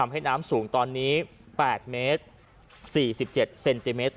ให้น้ำสูงตอนนี้๘เมตร๔๗เซนติเมตร